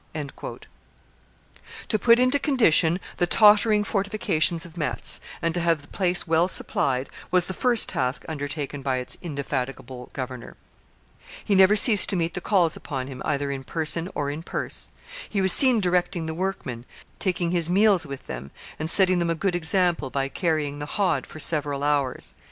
] To put into condition the tottering fortifications of Metz, and to have the place well supplied, was the first task undertaken by its indefatigable governor; he never ceased to meet the calls upon him either in person or in purse; he was seen directing the workmen, taking his meals with them, and setting them a good example by carrying the hod for several hours.